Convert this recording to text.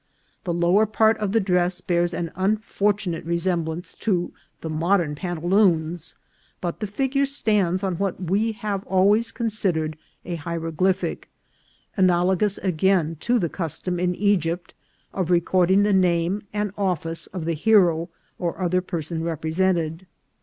The lower part of the dress bears an unfortu nate resemblance to the modern pantaloons, but the figure stands on what we have always considered a hieroglyphic, analogous again to the custom in Egypt of recording the name and office of the hero or other person represented.